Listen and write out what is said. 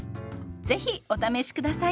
是非お試し下さい。